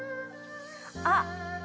あっ！